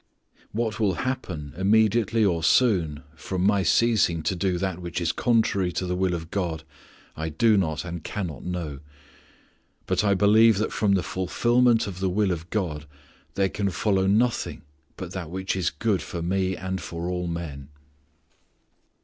What will happen immediately or soon, from my ceasing to do that which is contrary to the will of God, I do not and cannot know; but I believe that from the fulfilment of the will of God there can follow nothing but that which is good for me and for all men.